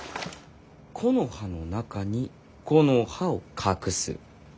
「木の葉の中に木の葉を隠す」か。